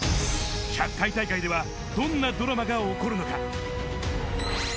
１００回大会ではどんなドラマが起こるのか？